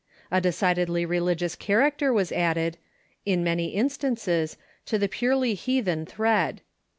A decidedly religious character was added, in many instances, to the purely heathen thread.